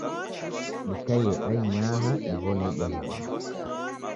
Dikaie ainyaha diw'one ubonya w'ada